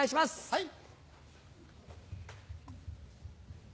はい。